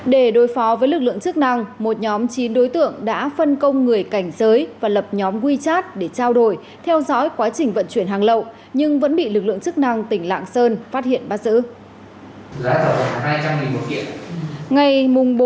để đối phó với lực lượng chức năng một nhóm chín đối tượng đã phân công người cảnh giới và lập nhóm wechat để trao đổi theo dõi quá trình vận chuyển hàng lậu nhưng vẫn bị lực lượng chức năng tỉnh lạng sơn phát hiện bắt giữ